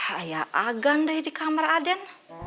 ayah agandai di kamar aden